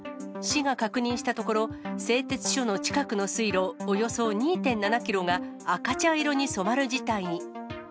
市が確認したところ、製鉄所の近くの水路およそ２．７キロが赤茶色に染まる事態に。